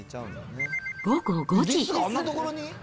午後５時。